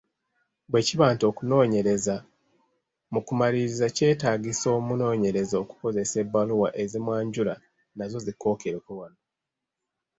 Bwe kiba nti okunoonyereza mu kumaliriza kyetaagisa omunoonyereza okukozesa ebbaluwa ezimwanjula, nazo zikookereko wano.